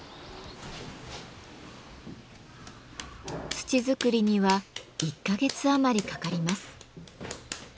土作りには１か月余りかかります。